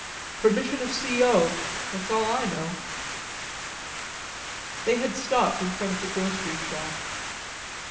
"Permission of C. O., that's all I know of." They had stopped in front of the grocery shop.